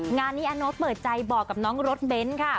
งานนี้อาโน๊ตเปิดใจบอกกับน้องรถเบ้นค่ะ